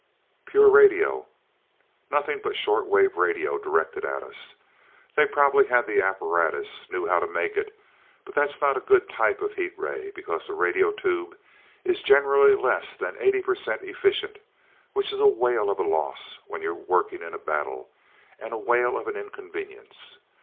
"Pure radio. Nothing but short wave radio directed at us. They probably had the apparatus, knew how to make it, but that's not a good type of heat ray, because a radio tube is generally less than eighty percent efficient, which is a whale of a loss when you're working in a battle, and a whale of an inconvenience.